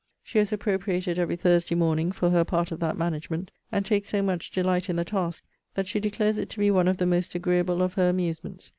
She has appropriated every Thursday morning for her part of that management; and takes so much delight in the task, that she declares it to be one of the most agreeable of her amusements.